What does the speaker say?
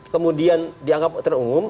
kemudian dianggap terungum